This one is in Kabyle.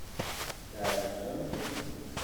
Tɛejbemt-t!